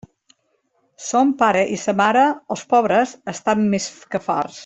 Son pare i sa mare, els pobres, estan més que farts.